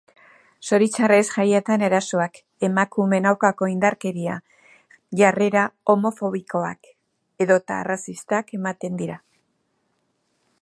Zoritxarrez, jaietan erasoak, emakumeen aurkako indarkeria, jarrera homofobikoak edota arrazistak ematen dira.